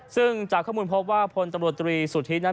ซึ่งจากข้อมูลพบว่าพลตำรวจสถิตนั้นมีส่วนเกี่ยวข้อง